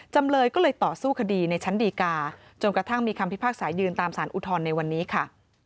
จำเลยก็เลยต่อสู้คดีในชั้นดีกาจนกระทั่งมีคำพิพากษายืนตามสารอุทธรณ์ในวันนี้ค่ะ